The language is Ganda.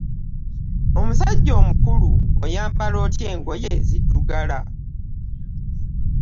Omusajja omukulu oyambala otya engoye eziddugala.